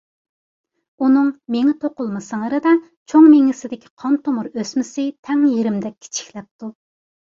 ئۇنىڭ مېڭە توقۇلما سىڭىرىدا چوڭ مېڭىسىدىكى قان تومۇر ئۆسمىسى تەڭ يېرىمدەك كىچىكلەپتۇ.